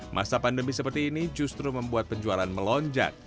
masa pandemi seperti ini justru membuat penjualan melonjak